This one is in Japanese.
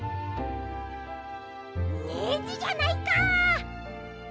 ネジじゃないか。